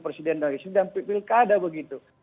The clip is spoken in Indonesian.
presiden dan pilkada begitu